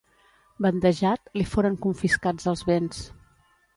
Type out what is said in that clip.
Bandejat, li foren confiscats els béns.